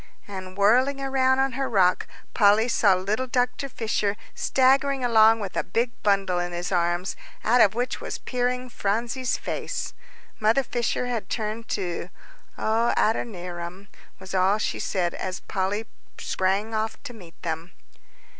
And whirling around on her rock, Polly saw little Dr. Fisher staggering along with a big bundle in his arms, out of which was peering Phronsie's face. Mother Fisher had turned too. "Oh, Adoniram!" was all she said, as Polly sprang off to meet them.